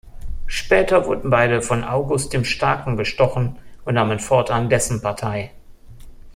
Später wurden beide von August dem Starken bestochen und nahmen fortan dessen Partei.